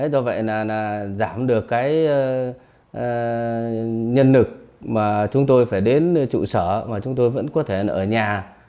do vậy là giảm được cái nhân lực mà chúng tôi phải đến trụ sở mà chúng tôi vẫn có thể ở nhà